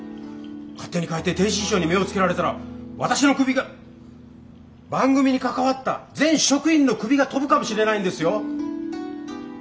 勝手に変えて逓信省に目をつけられたら私の首が番組に関わった全職員の首が飛ぶかもしれないんですよ！